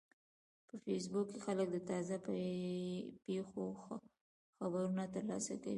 په فېسبوک کې خلک د تازه پیښو خبرونه ترلاسه کوي